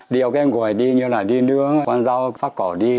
đi ở cái nguồn này đi như là đi nướng quán rau phát cỏ đi